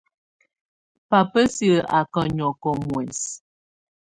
Babá silǝ́ á ká nyɔ́kɔ muɛsɛ.